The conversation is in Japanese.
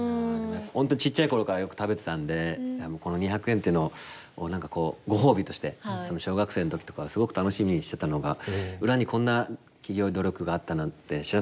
本当ちっちゃい頃からよく食べてたんでこの２００円っていうのを何かこうご褒美として小学生の時とかはすごく楽しみにしてたのが裏にこんな企業努力があったなんて知らなかったんで改めて感謝ですよね。